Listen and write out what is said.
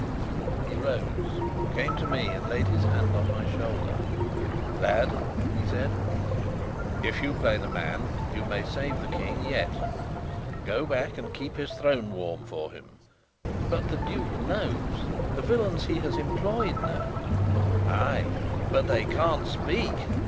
He rose, came to me, and laid his hand on my shoulder. "Lad," he said, "if you play the man, you may save the King yet. Go back and keep his throne warm for him." "But the duke knows the villains he has employed know " "Ay, but they can't speak!"